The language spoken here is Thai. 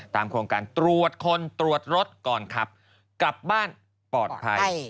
โครงการตรวจคนตรวจรถก่อนขับกลับบ้านปลอดภัย